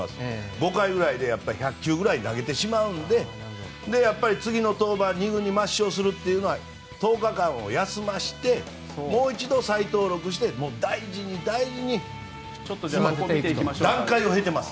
５回ぐらいで１００球ぐらい投げてしまうんで次の登板２軍に抹消するというのは１０日間休ませてもう一度再登録して大事に大事に段階を経てます。